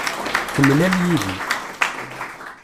Temlal yid-i.